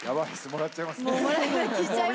もらっちゃいます。